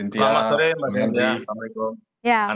selamat sore mbak yandri assalamu alaikum